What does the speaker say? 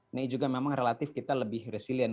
ini juga memang relatif kita lebih resilient